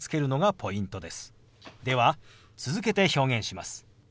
では続けて表現します。